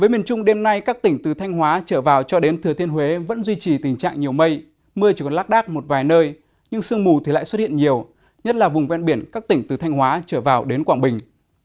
miền trung đêm nay các tỉnh từ thanh hóa trở vào cho đến thừa thiên huế vẫn duy trì tình trạng nhiều mây mưa chỉ còn lác đác một vài nơi nhưng sương mù thì lại xuất hiện nhiều nhất là vùng ven biển các tỉnh từ thanh hóa trở vào đến quảng bình